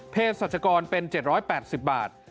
เพศสัชกรเป็น๗๘๐บาท